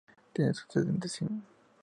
Tiene su sede en Děčín.